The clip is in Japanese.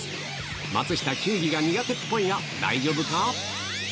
松下、球技が苦手っぽいが、大丈夫か？